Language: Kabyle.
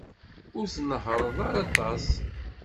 Ur tnehheṛ ara aṭas.